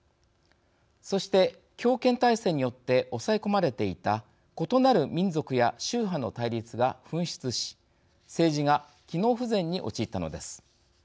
そして、強権体制によって抑え込まれていた異なる民族や宗派の対立が噴出し政治が機能不全に陥ったのです。